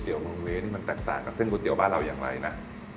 เรี่นี้จากต่างกับเส้นกูเตี๋ยวบ้านเรายังไงนะ